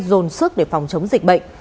dồn sức để phòng chống dịch bệnh